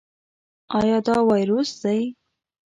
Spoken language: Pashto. ایا دا وایروس دی؟